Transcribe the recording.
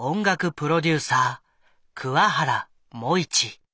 プロデューサー桑原茂一。